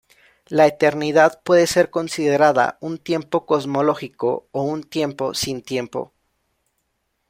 La "eternidad" puede ser considerada un tiempo cosmológico o un tiempo sin tiempo.